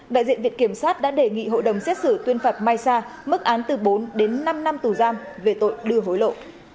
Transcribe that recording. đại diện viện kiểm sát đã đề nghị hội đồng xét xử tuyên phạt mai sa mức án từ bốn đến năm năm tù giam về tội đưa hối lộ